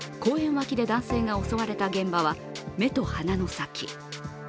脇で男性が襲われた現場は目と鼻の先。